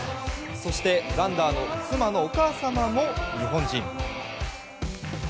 そしてザンダーの妻のお母さまも日本人。